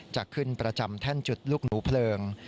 จะขึ้นประจำแท่นจุดลูกหนูเพลิง